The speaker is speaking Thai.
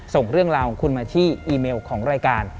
ส่งเรื่องราวของคุณมาที่อีเมลของรายการ